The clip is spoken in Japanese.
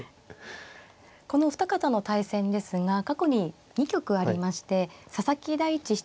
このお二方の対戦ですが過去に２局ありまして佐々木大地七段の２勝となっています。